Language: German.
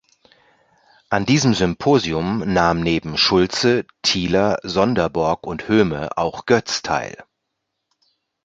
An diesem Symposium nahm neben Schultze, Thieler, Sonderborg und Hoehme auch Götz teil.